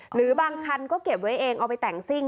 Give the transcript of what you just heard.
หรือบางคันก็เก็บไว้เองเอาไปแต่งซิ่ง